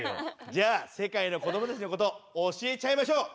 じゃあ世界のこどもたちのことおしえちゃいましょう。